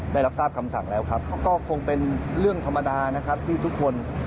ได้รับทราบคำสั่งแล้วครับก็คงเป็นเรื่องธรรมดานะครับที่ทุกคน